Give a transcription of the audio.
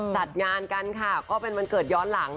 จัดงานกันค่ะก็เป็นวันเกิดย้อนหลัง